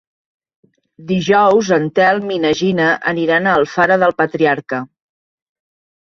Dijous en Telm i na Gina aniran a Alfara del Patriarca.